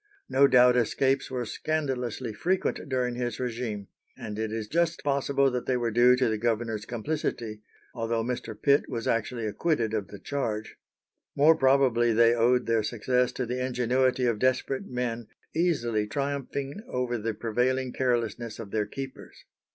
No doubt escapes were scandalously frequent during his régime, and it is just possible that they were due to the governor's complicity, although Mr. Pitt was actually acquitted of the charge. More probably they owed their success to the ingenuity of desperate men easily triumphing over the prevailing carelessness of their keepers.